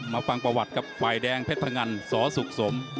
ฟังประวัติกับฝ่ายแดงเพชรพงันสสุขสม